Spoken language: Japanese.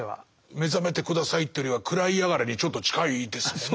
「目覚めて下さい」っていうよりは「食らいやがれ」にちょっと近いですもんね。